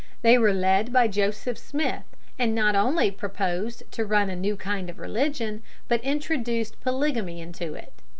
They were led by Joseph Smith, and not only proposed to run a new kind of religion, but introduced polygamy into it.